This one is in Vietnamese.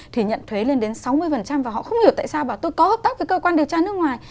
thì nhận thuế lên đến sáu mươi và họ không hiểu tại sao bảo tôi có hợp tác với cơ quan điều tra nước ngoài